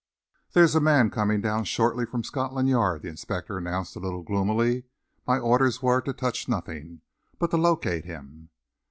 "There's a man coming down shortly from Scotland Yard," the inspector announced, a little gloomily. "My orders were to touch nothing, but to locate him."